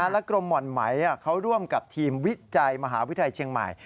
และกรมห่อนไหมเขาร่วมกับทีมวิจัยมหาวิทยาลัยเชียงใหม่